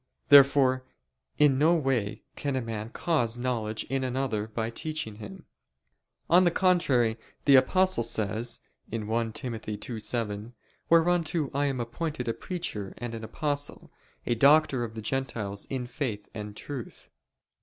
Therefore in no way can a man cause knowledge in another by teaching him. On the contrary, The Apostle says (1 Tim. 2:7): "Whereunto I am appointed a preacher and an apostle ... a doctor of the Gentiles in faith and truth."